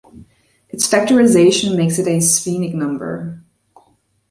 Its factorization makes it a sphenic number.